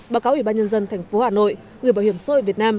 báo cáo ủy ban nhân dân thành phố hà nội người bảo hiểm xã hội việt nam